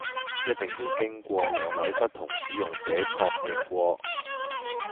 一定要經過兩位不同使用者確認過